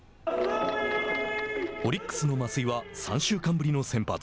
オリックスの増井は３週間ぶりの先発。